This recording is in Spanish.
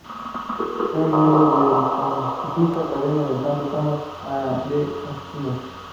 Fue miembro de la Pontificia Academia de Santo Tomás de Aquino.